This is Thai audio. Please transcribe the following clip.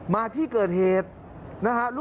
มาที่เกิดเหตุ